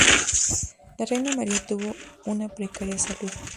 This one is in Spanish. La reina María tuvo una precaria salud.